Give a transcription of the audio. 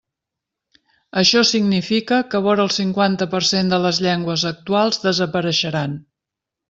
Això significa que vora el cinquanta per cent de les llengües actuals desapareixeran.